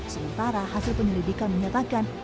sementara hasil penelitikan menyatakan